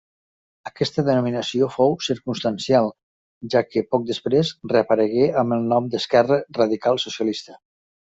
Aquesta denominació fou circumstancial, ja que poc després reaparegué amb el nom d'Esquerra Radical Socialista.